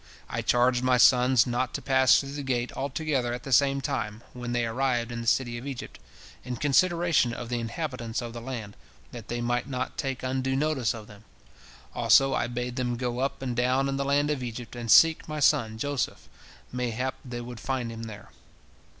I charged my sons not to pass through the gate all together at the same time, when they arrived in the city of Egypt, in consideration of the inhabitants of the land, that they might not take undue notice of them. Also I bade them go up and down in the land of Egypt and seek my son Joseph, mayhap they would find him there.